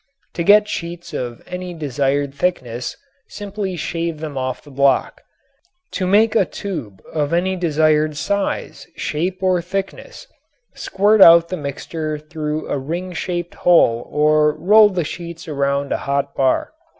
To get sheets of any desired thickness, simply shave them off the block. To make a tube of any desired size, shape or thickness squirt out the mixture through a ring shaped hole or roll the sheets around a hot bar.